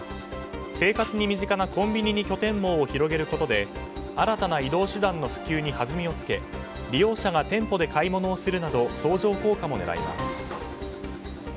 生活に身近なコンビニに拠点網を広げることで新たな移動手段の普及に弾みをつけ利用者が店舗で買い物をするなど相乗効果も狙います。